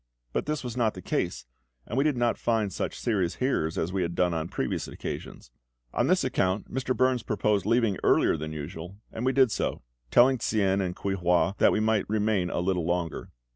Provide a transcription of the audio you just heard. But this was not the case; and we did not find such serious hearers as we had done on previous occasions. On this account Mr. Burns proposed leaving earlier than usual, and we did so, telling Tsien and Kuei hua that they might remain a little longer.